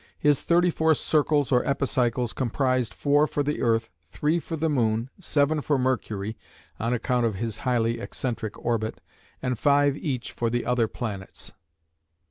His thirty four circles or epicycles comprised four for the earth, three for the moon, seven for Mercury (on account of his highly eccentric orbit) and five each for the other planets.